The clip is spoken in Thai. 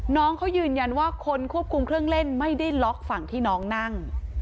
น้องเขายืนยันว่าคนควบคุมเครื่องเล่นไม่ได้ล็อกฝั่งที่น้องนั่ง